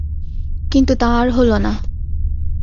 কিন্তু তা আর হল না।